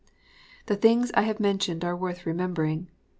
The things I have mentioned are worth remembering.